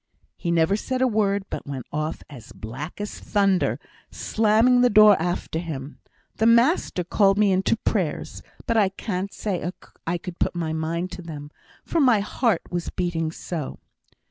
He never said a word, but went off as black as thunder, slamming the door after him. The master called me in to prayers, but I can't say I could put my mind to them, for my heart was beating so.